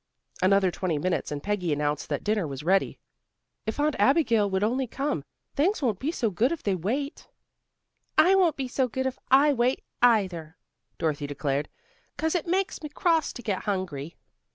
Another twenty minutes and Peggy announced that dinner was ready. "If Aunt Abigail would only come. Things won't be so good if they wait." "I won't be so good if I wait, either," Dorothy declared. "'Cause it makes me cross to get hungry."